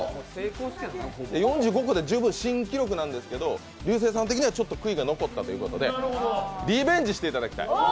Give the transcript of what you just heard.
４５個で十分新記録なんですけどリューセーさん的にはちょっと悔いが残ったということでリベンジしていただきたい。